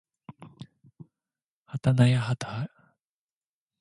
はたやなはやはた